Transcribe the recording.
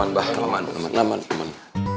udah aman mba aman aman